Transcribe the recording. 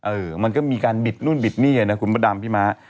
เออมันก็มีการบิดนู่นนู่นนี่คุณบดำพี่ม้า